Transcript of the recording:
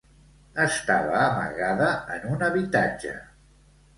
Estava amagada en un habitatge.